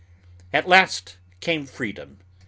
At last came freedom.